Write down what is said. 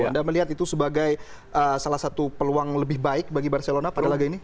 anda melihat itu sebagai salah satu peluang lebih baik bagi barcelona pada laga ini